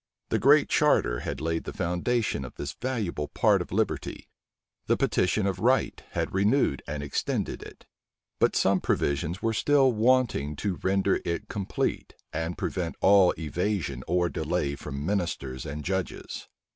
The Great Charter had laid the foundation of this valuable part of liberty; the petition of right had renewed and extended it; but some provisions were still wanting to render it complete, and prevent all evasion or delay from ministers and judges.